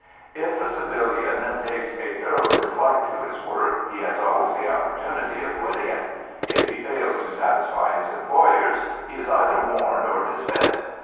If a civilian takes a thorough dislike to his work, he has always the opportunity of quitting it; if he fails to satisfy his employers, he is either warned or dismissed.